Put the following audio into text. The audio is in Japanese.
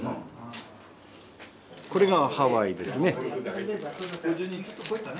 これがハワイですね。